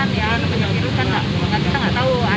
tapi ya kan